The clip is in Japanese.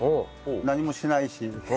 何もしないし。